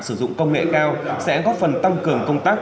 sử dụng công nghệ cao sẽ góp phần tăng cường công tác